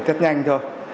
tết nhanh thôi